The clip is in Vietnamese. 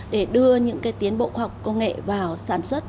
để đưa những cái tiến bộ khoa học công nghệ vào sản xuất